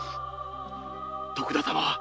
徳田様。